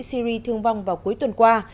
syri thương vong vào cuối tuần qua